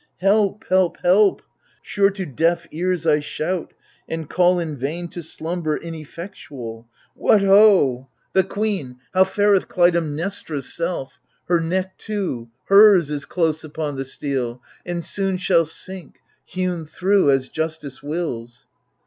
Help, help, help I Sure to deaf ears I shout, and call in vain To slumber inefiectual. What ho ! I 122 THE LIBATION BEARERS The queen 1 how fareth Clytemnestra's self? Her neck too, hers, is close upon the steel, And soon shall sink, hewn thro' as justice wills.